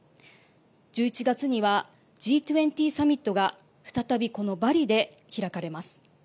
１１月には、Ｇ２０サミットが再び、このバリで開かれます。